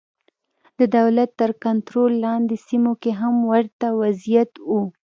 د دولت تر کنټرول لاندې سیمو کې هم ورته وضعیت و.